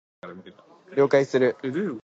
了解する